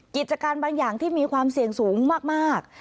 กิจการบางอย่างที่มีความเสี่ยงสูงมาก